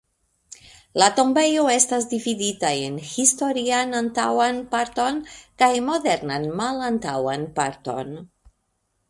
La tombejo estas dividita en historian antaŭan parton kaj modernan malantaŭan parton.